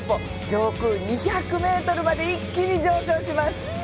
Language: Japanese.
上空２００メートルまで一気に上昇します。